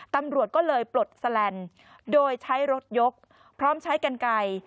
ตำรวจก็เลยปลดแสลนด์โดยใช้รถยกพร้อมใช้กันไกล